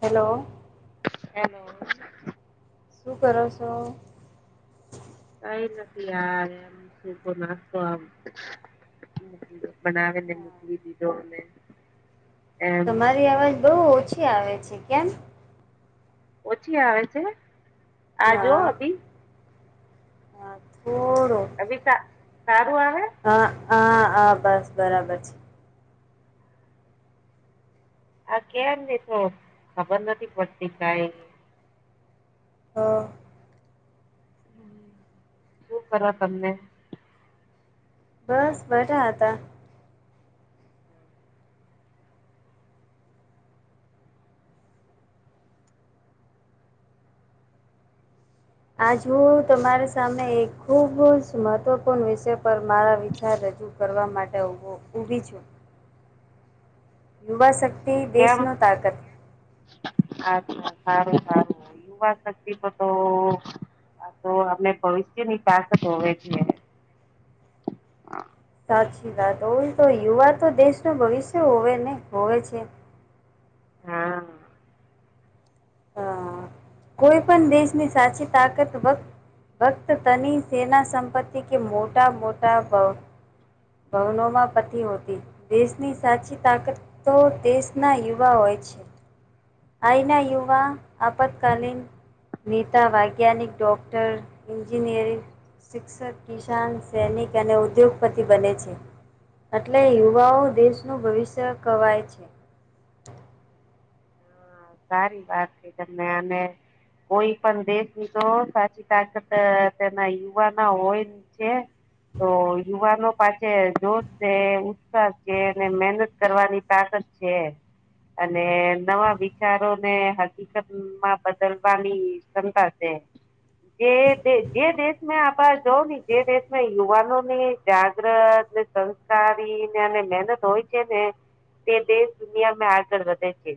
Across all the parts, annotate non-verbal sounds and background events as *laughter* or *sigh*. Hello hello શું કરો છો કઈ નથી યાર એમ *unintelligible* નાસ્તો આમ બનાવીને મોકલી દીધો અને ને તમારી અવાજ બહુ ઓછી આવે છે કેમ ઓછી આવે છે આ જો અભી પાકર અભી સારું આવે હા હા હા બસ બરાબર છે આ કેમ ને તો ખબર નથી પડતી કઈ હા હ શું કરો તમને બસ બઠા હતા આજ હું તમારી સામે એક ખૂબ જ મહત્વપૂર્ણ વિષય પર મારા વિચાર રજૂ ું કરવા માટે ઉભો ઊભી છું યુવા શક્તિ દેશનો તાકત હા સારું સારું યુવા શક્તિ તો તો હ તો આપને ભવિષ્યની પાસે જોવે છીએ સાચી વાત હોું તો યુવા તો દેશનું ભવિષ્ય હોવે ને હોવે છે હા અ કોઈ પણ દેશની સાચી તાકત વક્ત ભક્ત તની સેના સંપત્તિ કે મોટા મોટા ભ બવનોમાં પતિ હોતી દેશની સાચી તાકત તો દેશના યુવા હોય છે અહીના યુવા આપત્કાલીીન નેતા વૈજ્ઞાનિક ડૉક્ટર ન્જીિનિયરિંગ શિક્ષક કિસાન સૈનિક અને ઉદ્યોગપતિ બને છે એટલે યુવાઓ દેશનું ભવિષ્ય કવાય છે હા સારી વાત છે તમે આને કોઈ પણ દેશ ની તો સાચી તાકત તેના યુવા ના હોય તો યુવાનો પાસે જોશ છે ઉત્સાહ છે અને મહેનત કરવાની તાકત છે અને નવા વિચારો ને હકીકત માં બદલવાની ક્ષંતા છે જે જે દેશમાં આપડ જોવ ને જે દેશમાં યુવાનોની જાગ્રત સંસ્કારીને અને મહેનત હોય છે ને તે દેશ દુનિયામાં આગળ વધે છે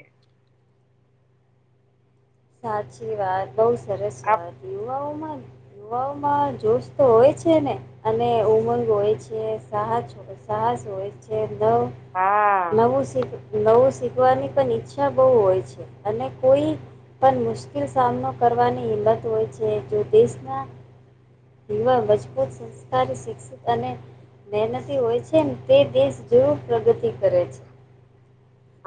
સાચી વાત બહુ સરસ વાત યુવાઓ માન દુવામાં જોુસ તો હોય છે ને અને ઉમંગ હોય છે સાહ છો તો સાહસ હોય છે નવ હા નવું સીટ નવું શીખવાની પણ ઈચ્છા બહુ હોય છે અને કોઈ પણ મુશ્કેલ સામનો કરવાની હિંમત હોય છે જો દેશના યુવા મજબૂત સંસ્કારી શિક્ષિત અને મહેનતી હોય છે તે દેશ જરૂર પ્રગતિ કરે છે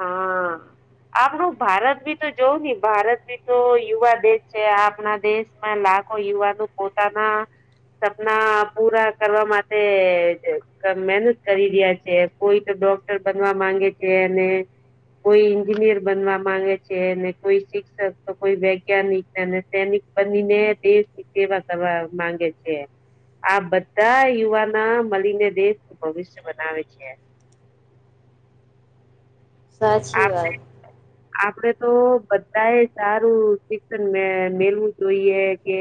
હા આપણું ભારત બી તો જોવું ને ભારત બી તો યુવા દેશ છે આપણા દેશ લાખો યુવાનો પોતાના સપના પૂરા કરવા માટે મહેનત કરી રહ્યા છે કોઈ તો ડોક બનવા માંગે છે અને કોઈ એન્જિનિયર બનવા માંગે છે ને કોઈ શિક્ષક તો કોઈ વૈજ્ઞાનિકને સૈનિક બનીને દેશ સવા કરવા માંગે છે આ બધા યુવાના મળીને દેશ ભવિષ્ય બનાવે છે સાચી વાત આપડે તો બધા એ સારું શિક્ષણ મે મેલવું જોઈએ કે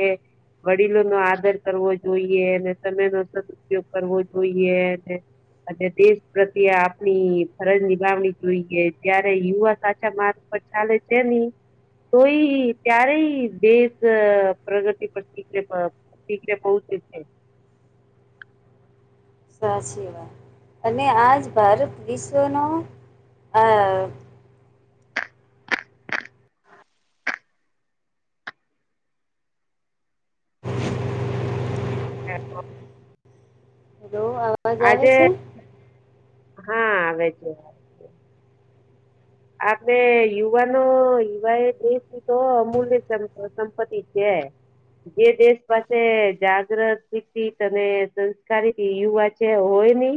વડીલો નો આદર કરવો જોઈએ અને તમેનો ઉપયોગ કરવો તોઈ અને તેજ પ્રત્યે આપણી ફરજ નિભાવણી જોઈએ ત્યારે યુવા સાચ તમાર ઉપર ચાલે છે નહી તોય ત્યારેય દેશ પ્રગતિ પરક ી કોચ *unintelligible* *inaudible* સાચીવાત અને આજ ભારત વિશ્વનો આ હેલો અવાજ આવે આજે છે *unintelligible* *inaudible* હા આવે જ આપડે યુવાનો યુવા એ દસ તો અમૂલ્ય સંપતિ છે. જે દેશ પાસે જાગૃત અને સંસ્કારી યુવા હોય નહી,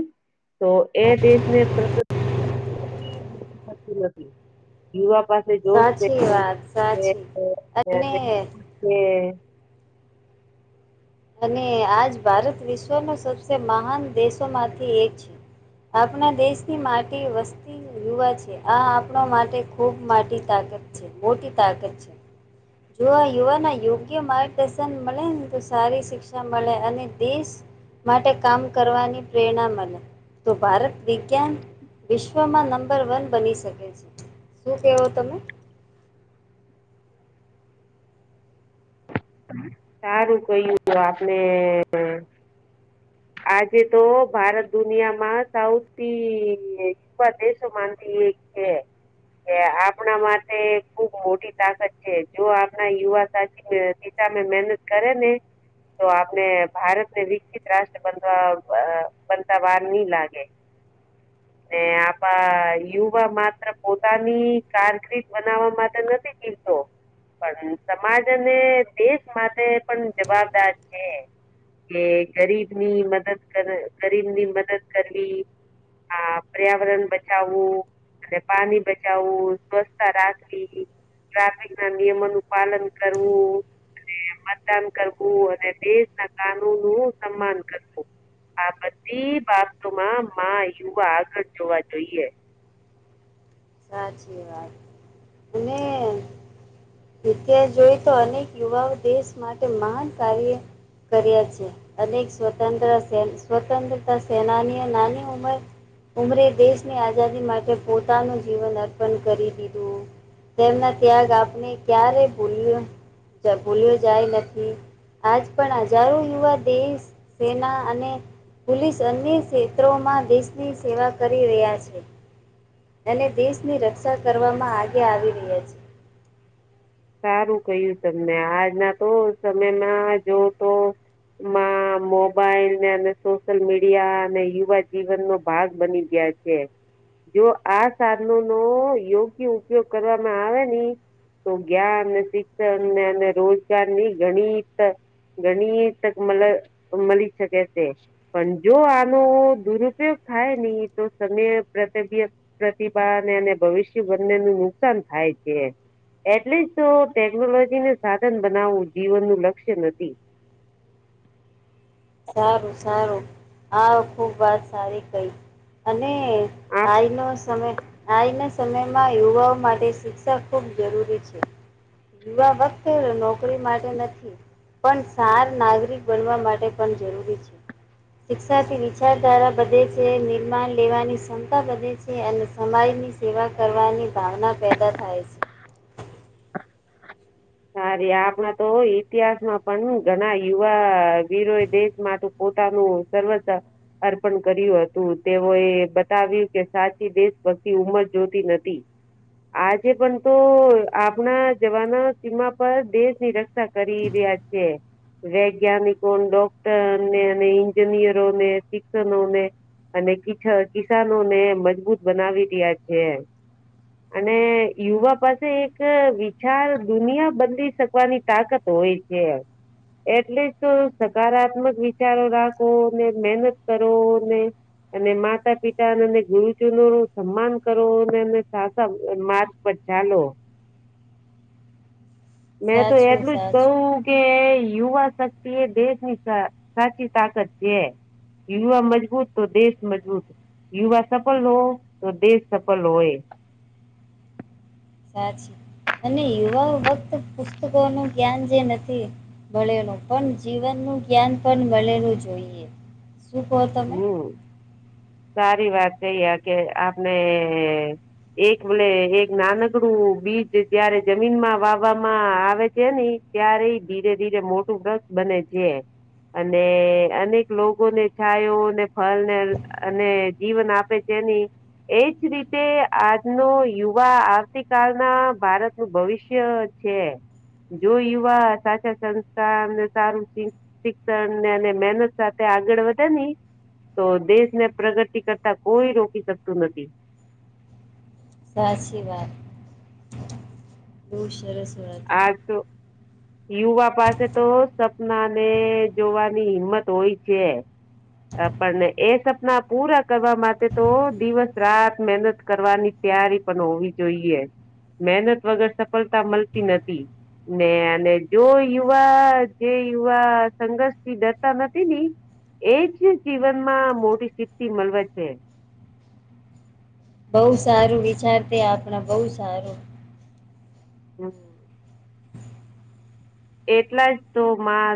તો એ દેશને પ્ર *unintelligible* *inaudible* યુવા પાસે જોશ સાચી વાત સાચી અને હ અને આજ ભારત વિશ્વના સબસે મહાન દેશોમાંથી એક છે. આપણા દેશની માટી વસ્તી યુવા છે આ આપણા માટે ખૂબ મોટી તાકત છે, મોટી તાકત છે. જોુવા યવાના યોગ્ય માર્ગદર્શન મળ સારી શિક્ષા મળે અને દેશ માટે કામ કરવાની પ્રેરણા મળે તો ભારત દ ક વિશ્વમાં નંબર વન બની શકે છે. શું કહેવો તમે સારું કહું આપણે આજે તો ભારત દુનિયા માં સાઉથી વા દેશોમાંથી એક છે. એ આપણા માટે ખુબ મોટી તાકાત છે જો આપણા યુવા, સાથી સામે મહેનત કરે ને તો આપણે ભારત ને વિકસિત રાષ્ટ્ર બનવા બનતા વાર નહી લાગે *unintelligible* *inaudible* ને આપ યુવા માત્ર પોતાની કારકટ બનાવવા માટે નથી પીલતો પણ સમાજ અને દેશ માટે પણ જવાબદાર છે. કે ગરીબ ની મદદ કર ગરીબ ની મદદ કરવી હા, પર્યાવરણ બચાવવું અને પાણી બચાવવું સ્વસ્્છતા રાખવી ટ્રાફિક ના નિયમો નું પાલન કરવું મતદાન કરવું અને દેશ, ના કાનૂન નું સન્માન કરવુ આ બધી બાબતોમાં માં યુવા આગળ જોવા જોઈએ સાચી વાત પંદ તિ્યાહાસ જોઈ તો અનેક યુવાઓ દેશ માટે મહાન કાર્ય કરી્યા છે. અનેક સ્વતંત્ર સ્વતંત્રતા સેનાનીઓ નાની ઉંમર ઉમરે દેશની આઝાદી માટે પોતાનું જીવન અર્પણ કરી દીધું તેમના ત્યાગ આપણે ક્યારે ભૂલ્યો જ ભૂલ્યો જાય નથી. આજ પણ હજારો યુવા દેશ સેના અને પોલીસ અન્ય ક્ષેત્રોમાં દેશની સેવા કરી રહ્યા છે. અને દેશની રક્ષા કરવામાં આગે આવી રહ્યા છે સારું કય્યું, તમને આજના તો સમયમાં જો તો માં મોબાઈલને અને સોશયલ મીડિયા અને યુવા જીવન, નો ભાગ બની ગયા છે. જો આ સાધનો નો યોગ્ય ઉપયોગ કરવામાં આવે ને જ્ઞાન શિક્ષણ અને રોજગારની ગણિત ગણી તક મ મળી શકે તે પણ જો આનો દુરુપયોગ થાય, નની તો સમય પ્રતબ્ય પ્રતિભાને અને ભવિષ્ય બંને નું નુકસાન થાય છે. એટલી જ તો ટેકનોલોજીને સાધન બનાવવું જીવન નું લક્ષ્ય નથી સારું સારું આખુબ વાત સારી કઈ અને આપ આઈનો સમય આઈને સમયમાં યુવાઓ માટે શિક્ષણ ખૂબ જરૂરી છે યુવા વખતે નોકરી માટે નથી પણ સાર નાગરિક બનવા માટે પણ જરૂરી છે શિક્ષાથી વિચારધારા વધે છે નિર્માણ લેવાની ક્ષમતા વધે છે છે અને સમાજની સેવા કરવાની ભાવના પેદા થાય છે સારી આપણા તો ઇતિહાસમાં પણ ઘણા યુવા વીરો એ દેશમાં પોતાનું સર્વ અર્પણ કર્યું હતું તેઓ એ બતાવ્યું કે સાચી દેશ ભક્તી ઉંમર જોતી નથી આ છેે પણ તો આપણા જવાના તેમા પર દેશ ની રક્ષા કરી રહ્યા છે વૈજ્ઞાનિકો ડોક્ટરને અને ન્જિનિયરોને શિક્ષણને અને કિસાનો ને મજબૂત બનાવી રહ્યા છે અને યુવા પાસે એક વિચાર દુનિયા બંધી શકવાની તાકાત હોય છે એટલે જ સકારાત્મક વિચારો રાખો ને મહેહનત કરો ને અને માતા પિતા અને એ ગુરુજનો નું સન્માન કરવો અને એ સા પછા લો મેં તો સાચું એટલું જ કઉ સાચું કે યુવા શક્તિ એ દેશની સાચી તાકાત છે યુવા મજબૂત તો દેશ મજબૂત યુવા સફલ હો તો દેશ સફલ હોય સાચી અને યુવા વખત પુસ્તકો નું જ્ઞાન જે નથી ભળેલું પણ જીવનનું જ્ઞાન પણ વળેલું જોઈએ સુપદ હમ સારી વાત કઈ આ કે આપને એક બલે એક નાનકડું બીજ જયારે જમીનમાં વાવામાં આવે છે ને ત્યારે ધીરે ધીરે મોટું બ્રસ બને છે અને અનેક લોકોને છાયુંને ફલ ને અને જીવન આપે છે એની એજ રીતે આજનો યુવા આવતી કલના ભારતનુંું ભવિષ્ય છે જો યુવા સાચા સંસ્થને સારું શિક્ષણને અને મહેનત સાથે આગળ વધ ન તો દેશને પ્રગતિ કરતા કોઈ રોકી શકતું નથી સાચી વાત બહુ સરસત હા તો યુવા પાસે તો સપના ને જોવાની હિંમત હોય છે પણ એ સપના પૂરા કરવા માટે તો દિવસ રાત મહેનત કરવાની ત્યારે પણ હોવી જોઈએ મહેનત વગર સફળતા મળતી નથી ને અને જો યુવા જે યુવા સંઘર્ષ થી ડરતા નથી ની એજ જીવનમાં મોટી સિદ્ધિ મળવે છે બહુ સારું વિચાર તે આપણા બહુ સારું હમ એટલા જ તો મા